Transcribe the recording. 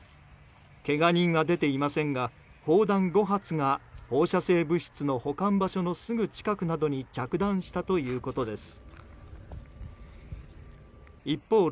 けが人は出ていませんが砲弾５発が放射性物質の保管場所のすぐ近くなどに着弾したということです。